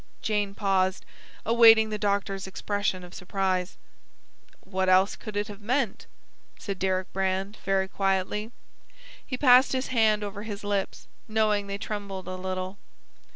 Jane paused, awaiting the doctor's expression of surprise. "What else could it have meant?" said Deryck Brand, very quietly. He passed his hand over his lips, knowing they trembled a little.